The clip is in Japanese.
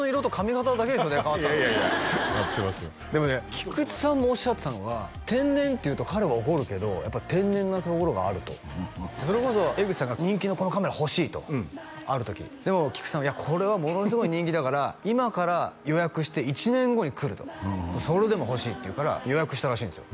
菊池さんもおっしゃってたのが天然って言うと彼は怒るけどやっぱり天然なところがあるとそれこそ江口さんが人気のこのカメラ欲しいとある時でも菊池さんが「これはものすごい人気だから」「今から予約して１年後に来る」とそれでも欲しいって言うから予約したらしいんですよ